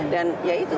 dan ya itu